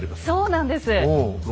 そうなんです。